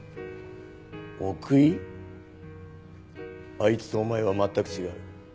あいつとお前は全く違う。